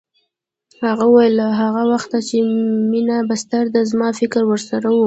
هغه وویل له هغه وخته چې مينه بستر ده زما فکر ورسره و